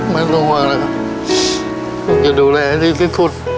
คือไม่ต้องว่าแล้วครับต้องก็ดูแลให้ที่ที่คุณ